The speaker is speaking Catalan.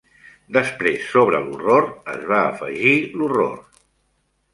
Després, sobre l'horror, es va afegir l'horror.